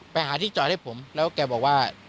ไปหาที่จอดให้ผมแล้วแกบอกว่า